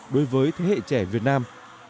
đối với thế hệ trẻ việt nam